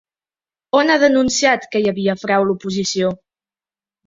On ha denunciat que hi havia frau l'oposició?